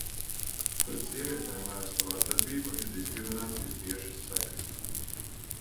Pret sievietēm vērsta vardarbība ir diskriminācijas tiešas sekas.